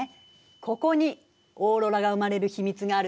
ここにオーロラが生まれる秘密があるのよ。